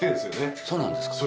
そうなんですか？